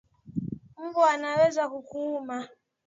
Mbwa anaweza kukuuma.